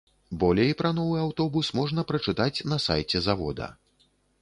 Болей пра новы аўтобус можна прачытаць на сайце завода.